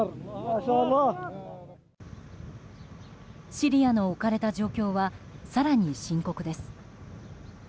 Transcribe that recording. シリアの置かれた状況は更に深刻です。